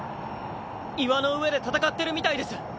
岩の上で戦ってるみたいです。